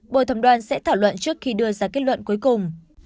bộ thẩm đoàn sẽ thảo luận trước khi đưa ra kết luận cuối cùng